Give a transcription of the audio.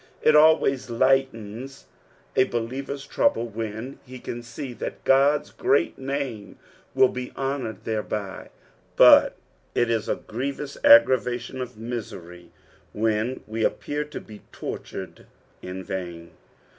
It always lightens a believer's trouble when he can see that God's great oame will be honoured thereby, but it is a grievous aggravation of misery when we appear to be tortured in vain.